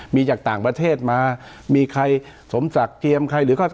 มีจากต่างประเทศมามีใครสมศักดิ์เตรียมใครหรือก็